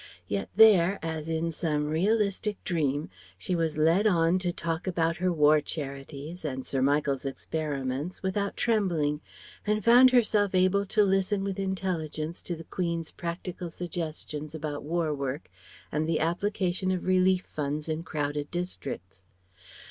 Yet there, as in some realistic dream, she was led on to talk about her war charities and Sir Michael's experiments without trembling, and found herself able to listen with intelligence to the Queen's practical suggestions about war work and the application of relief funds in crowded districts.